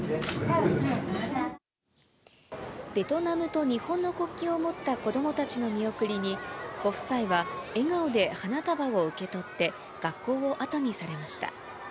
ベトナムと日本の国旗を持った子どもたちの見送りに、ご夫妻は笑顔で花束を受け取って、学校を後にされました。